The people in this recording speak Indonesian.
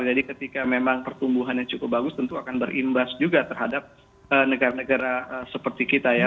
jadi ketika memang pertumbuhan yang cukup bagus tentu akan berimbas juga terhadap negara negara seperti kita ya